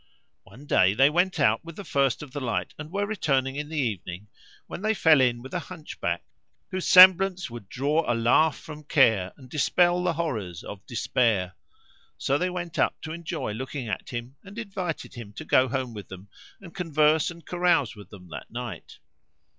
One day they went out with the first of the light and were returning in the evening when they fell in with a Hunchback, whose semblance would draw a laugh from care and dispel the horrors of despair. So they went up to enjoy looking at him and invited him to go home with them and converse and carouse with them that night.